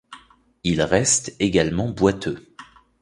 Il reste également boiteux.